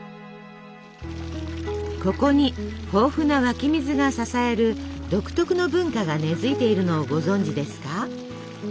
ここに豊富な湧き水が支える独特の文化が根づいているのをご存じですか？